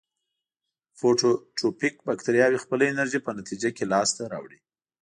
فوتوټروفیک باکتریاوې خپله انرژي په نتیجه کې لاس ته راوړي.